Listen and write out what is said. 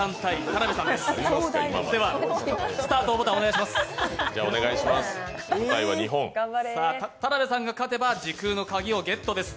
田辺さんが勝てば時空の鍵をゲットです。